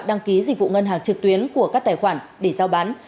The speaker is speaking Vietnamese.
đăng ký dịch vụ ngân hàng trực tuyến của các tài khoản để giao bán